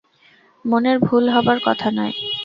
মনের ভুল হবার কথা নয়।